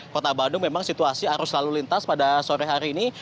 kota bandung memang situasi arus lalu lintas pada sore hari ini